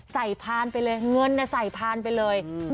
ใส่ผ่านไปเลยเงินในใส่ผ่านไปเลย